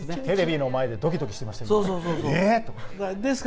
テレビの前でドキドキしてますよ、えー！って。